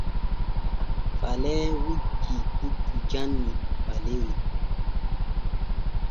Falee wujjii puccu janni Faleri.